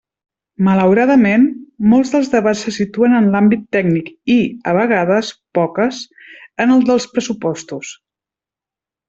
Malauradament, molts dels debats se situen en l'àmbit tècnic i, a vegades, poques, en el dels pressupostos.